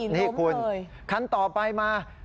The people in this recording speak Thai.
นี่คุณคันต่อไปมา